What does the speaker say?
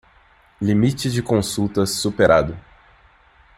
Limite de consultas superado.